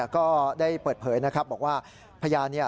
ก็ได้เปิดเผยนะครับบอกว่าพยานเนี่ย